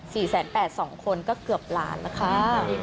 สี่แสนแปดสองคนก็เกือบหลานละครับ